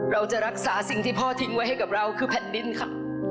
เราจะรักษาสิ่งที่พ่อทิ้งไว้ให้กับเราคือแผ่นดินค่ะ